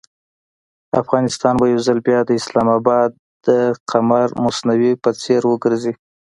افغانستان به یو ځل بیا د اسلام اباد د قمر مصنوعي په څېر وګرځي.